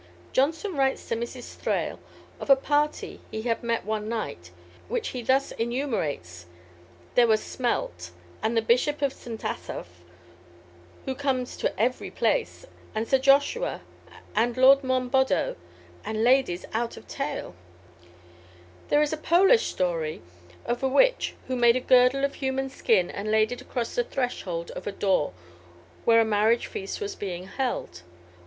Johnson writes to Mrs. Thrale of a party he had met one night, which he thus enumerates: "There were Smelt, and the Bishop of St. Asaph, who comes to every place; and Sir Joshua, and Lord Monboddo, and ladies out of tale." There is a Polish story of a witch who made a girdle of human skin and laid it across the threshold of a door where a marriage feast was being held.